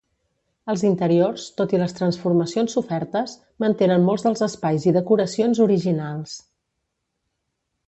Els interiors, tot i les transformacions sofertes, mantenen molts dels espais i decoracions originals.